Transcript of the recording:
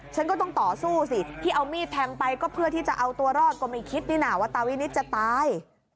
จะเอาตัวรอดก็ไม่คิดนี่น่ะว่าตะวินิตจะตาย